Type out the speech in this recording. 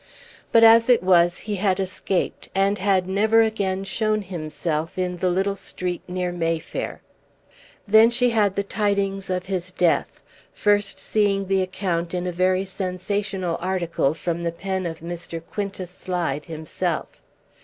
But, as it was, he had escaped and had never again shown himself in the little street near May Fair. Then she had the tidings of his death, first seeing the account in a very sensational article from the pen of Mr. Quintus Slide himself.